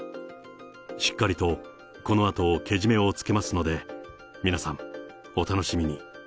しっかりとこのあと、けじめをつけますので、皆さん、お楽しみに。